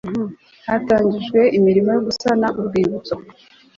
hatangijwe imirimo yo gusa urwibutso